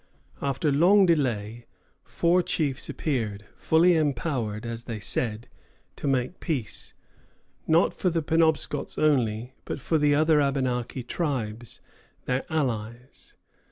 After long delay, four chiefs appeared, fully empowered, as they said, to make peace, not for the Penobscots only, but for the other Abenaki tribes, their allies.